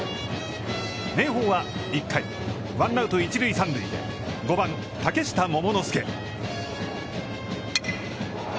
明豊は１回ワンアウト、一塁、三塁とし５番、嶽下桃之介。